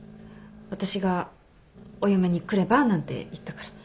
私が「お嫁に来れば？」なんて言ったから。